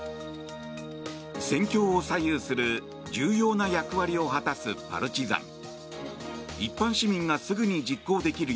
戦況を左右する重要な役割を果たすパルチザン。